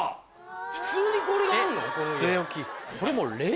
普通にこれがあんの？